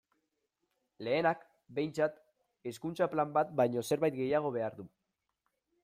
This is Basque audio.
Lehenak, behintzat, Hezkuntza Plan bat baino zerbait gehiago behar du.